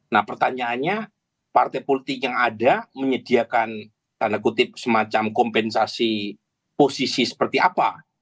nah pertanyaannya partai politik yang ada menyediakan tanda kutip semacam kompensasi posisi seperti apa